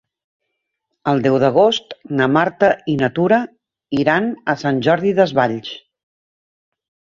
El deu d'agost na Marta i na Tura iran a Sant Jordi Desvalls.